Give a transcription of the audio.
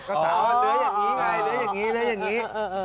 เดี๋ยวแบบนี้และอย่างนี้